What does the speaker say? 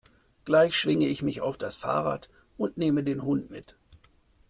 Gleich schwinge ich mich auf das Fahrrad und neme den Hund mit.